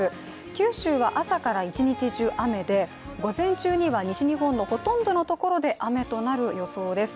九州は朝から一日中雨で、午前中には西日本のほとんどのところで雨となる予想です。